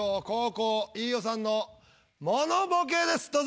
後攻飯尾さんのモノボケです。